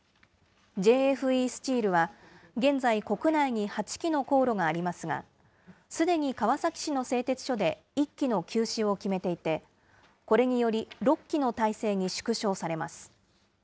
ＪＦＥスチールは、現在、国内に８基の高炉がありますが、すでに川崎市の製鉄所で１基の休止を決めていて、これにより、６基の体制に縮小されます。